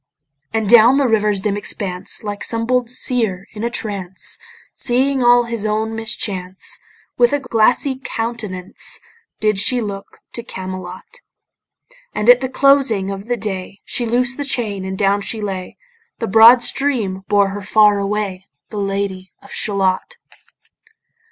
And down the river's dim expanse Like some bold seër in a trance, Seeing all his own mischance With a glassy countenance Did she look to Camelot. And at the closing of the day She loosed the chain, and down she lay; The broad stream bore her far away, The Lady of Shalott.